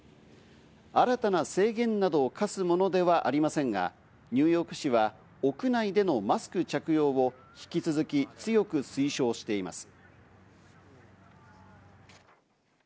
新たな制限などを課すものではありませんがニューヨーク市は屋内でのマスク着用を引き続き強く推奨しています。